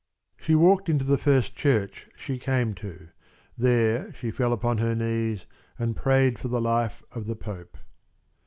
She walked into the first church she came to. There she fell upon her knees and prayed for the life of the Pope.